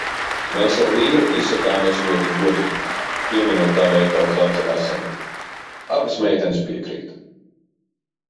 Mēs ar vīru izsakāmies ļoti godīgi, pieminot tā veikala zaķa esamību. Abas meitenes piekrīt.